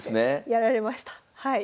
やられましたはい。